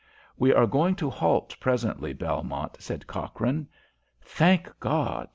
"We are going to halt presently, Belmont," said Cochrane. "Thank God!